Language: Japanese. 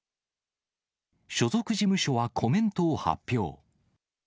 所属事務所はコメントを発表。